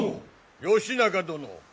義仲殿！